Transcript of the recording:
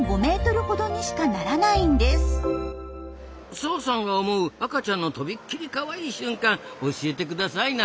澤さんが思う赤ちゃんのとびっきりカワイイ瞬間教えてくださいな。